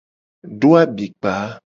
Do abikpa.